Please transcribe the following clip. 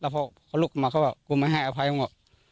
ตำรวจเข้าก็บอกความว่ามันมาหาเข้ามา